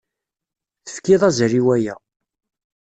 Tefkid azal i waya.